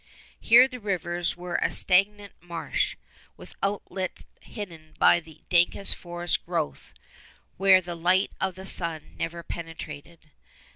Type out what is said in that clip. Here the rivers were a stagnant marsh, with outlet hidden by dankest forest growth where the light of the sun never penetrated.